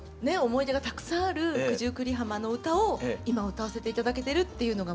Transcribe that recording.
思い出がたくさんある九十九里浜の歌を今歌わせて頂けてるっていうのがものすごく。